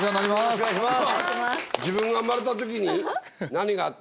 お願いします。